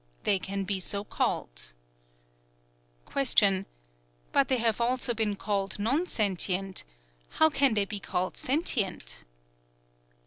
They can be so called. Q. But they have also been called non sentient: how can they be called sentient?